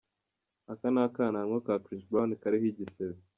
Aka ni Akananwa ka Chris Brown kariho igisebe.